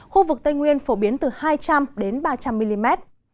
khu vực tây nguyên phổ biến từ hai trăm linh ba trăm linh mm